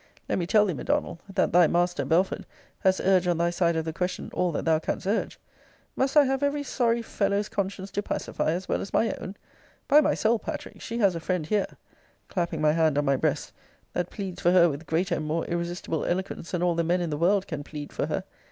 Let me tell thee, M'Donald, that thy master, Belford, has urged on thy side of the question all that thou canst urge. Must I have every sorry fellow's conscience to pacify, as well as my own? By my soul, Patrick, she has a friend here, [clapping my hand on my breast,] that pleads for her with greater and more irresistible eloquence than all the men in the world can plead for her.